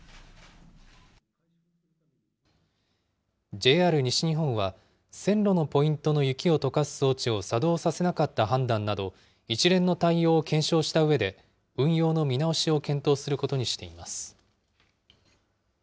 ＪＲ西日本は線路のポイントの雪をとかす装置を作動させなかった判断など、一連の対応を検証したうえで、運用の見直しを検討することにしています。